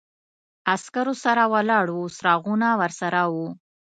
عسکرو سره ولاړ و، څراغونه ورسره و.